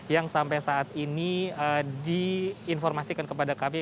yang sampai saat ini diinformasikan kepada kami